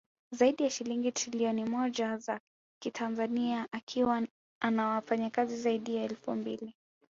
Zaidi ya shilingi Trilioni moja za kitanzania akiwa ana wafanyakazi zaidi ya elfu mbili